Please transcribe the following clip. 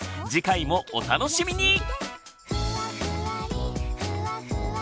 次回もお楽しみに！